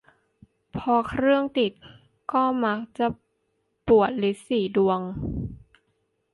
พอเครื่องติด ก็มักจะปวดรีดสีดวง